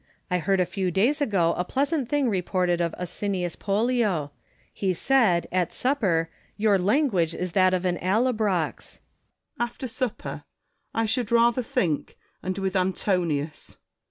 I heard a few days ago a pleasant thing reported of Asinius Pollio : he said, at supper, your language is that of an AUobros. Marcus. After supper, I should rather think, and with Antonius.